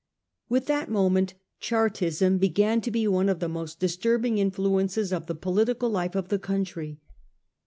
"With that moment Chartism began to be one of the most disturbing influences of the political life of the country.